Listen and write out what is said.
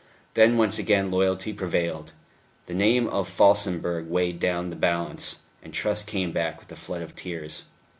Then once again loyalty prevailed, the name of Felsenburgh weighed down the balance, and trust came back with a flood of tears.